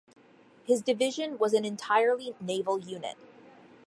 His division was an entirely naval unit.